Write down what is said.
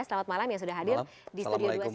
selamat malam yang sudah hadir di studio dua cnn